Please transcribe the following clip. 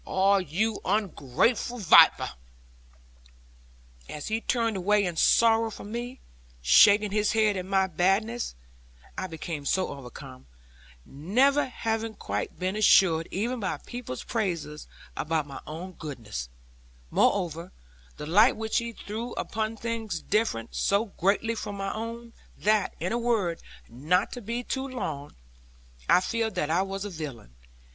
Ah, you ungrateful viper!' As he turned away in sorrow from me, shaking his head at my badness, I became so overcome (never having been quite assured, even by people's praises, about my own goodness); moreover, the light which he threw upon things differed so greatly from my own, that, in a word not to be too long I feared that I was a villain.